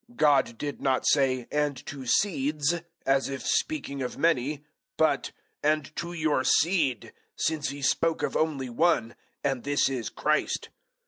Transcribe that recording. God did not say "and to seeds," as if speaking of many, but "and to your seed," since He spoke of only one and this is Christ.)